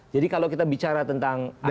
jadi kalau kita bicara tentang